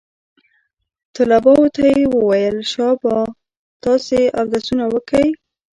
طلباو ته يې وويل شابه تاسې اودسونه وکئ.